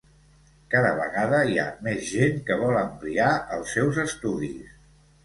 Cada vegada hi ha més gent que vol ampliar els seus estudis.